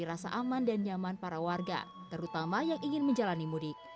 rasa aman dan nyaman para warga terutama yang ingin menjalani mudik